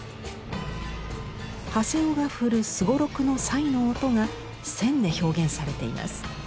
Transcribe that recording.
長谷雄が振るすごろくのさいの音が線で表現されています。